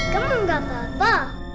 kamu gak apa apa